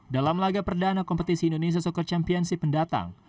dalam laga perdana kompetisi indonesia soccer championship mendatang